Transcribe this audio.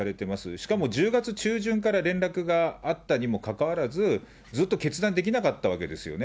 しかも１０月中旬から連絡があったにもかかわらず、ずっと決断できなかったわけですよね。